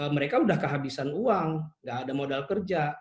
mereka sudah kehabisan uang nggak ada modal kerja